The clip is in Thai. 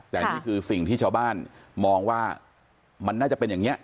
แต่นี่คือสิ่งที่ชาวบ้านมองว่ามันน่าจะเป็นอย่างนี้